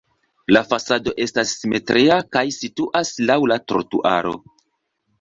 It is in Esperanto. La fasado estas simetria kaj situas laŭ la trotuaro.